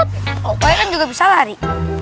pokoknya kan juga bisa lari